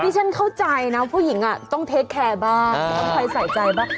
ฉันเข้าใจนะผู้หญิงต้องเทคแคร์บ้างต้องคอยใส่ใจบ้าง